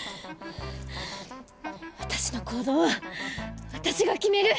私の行動は私が決める！